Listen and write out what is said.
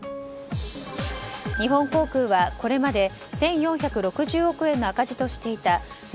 日本航空は、これまで１４６０億円の赤字としていた